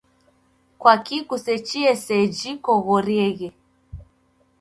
Kwaki kusechie sejhi koghorieghe?